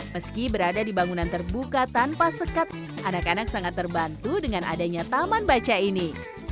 meski berada di bangunan terbuka tanpa sekat anak anak sangat terbantu dengan adanya taman baca ini